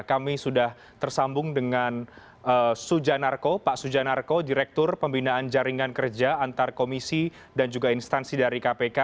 kami sudah tersambung dengan sujanarko pak sujanarko direktur pembinaan jaringan kerja antar komisi dan juga instansi dari kpk